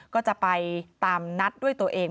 ก็จะไปตามนัดด้วยตัวเอง